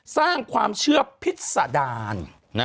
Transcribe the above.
สร้างความเชื่อพิษดาร